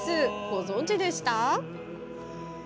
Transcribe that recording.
ご存じでした？